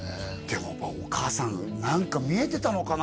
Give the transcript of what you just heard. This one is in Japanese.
でもお母さん何か見えてたのかな？